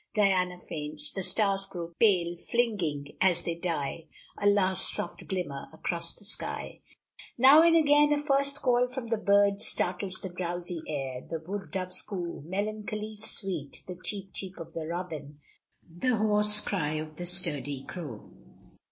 Diana faints! the stars grow pale, flinging, as they die, a last soft glimmer across the sky. Now and again a first call from the birds startles the drowsy air. The wood dove's coo, melancholy sweet the cheep cheep of the robin the hoarse cry of the sturdy crow.